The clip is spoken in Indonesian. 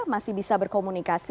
masih bisa berkomunikasi